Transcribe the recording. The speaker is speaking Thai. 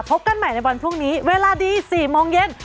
พบกันใหม่ในวันพรุ่งนี้เวลาดี๔โมงเย็น